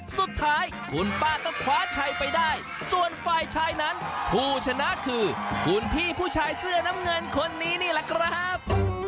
สุดท้ายคุณป้าก็คว้าชัยไปได้ส่วนฝ่ายชายนั้นผู้ชนะคือคุณพี่ผู้ชายเสื้อน้ำเงินคนนี้นี่แหละครับ